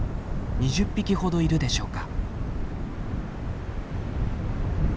２０匹ほどいるでしょうか。